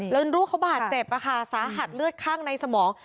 แล้วลูกเขาบาดเจ็บสาหัสเลือดข้างในสมอง